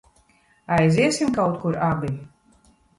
Aiziesim kaut kur abi?